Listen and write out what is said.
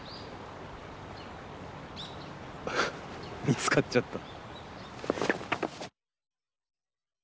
見つかっちゃった。